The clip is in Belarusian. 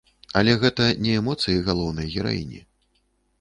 Але гэта не эмоцыі галоўнай гераіні.